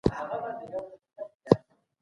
احمد پرون له مځکي څخه لیدنه وکړه.